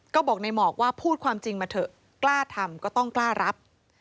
ก็บอกในหมอกว่าพูดความจริงมาเถอะกล้าทำก็ต้องกล้ารับ